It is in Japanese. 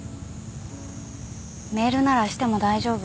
メールならしても大丈夫？